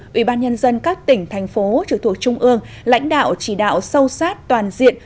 ủy ban nhân dân các tỉnh thành phố trực thuộc trung ương lãnh đạo chỉ đạo sâu sát toàn diện